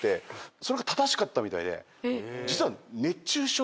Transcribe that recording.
それが正しかったみたいで実は。